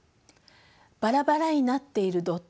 ばらばらになっているドット